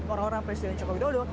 orang orang presiden joko widodo